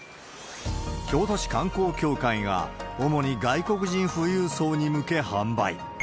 京都市観光協会が主に外国人富裕層に向け販売。